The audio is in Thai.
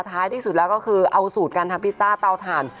ท้ายที่สุดแล้วก็คือเอาสูตรการทำพิซซ่าเตาถ่าน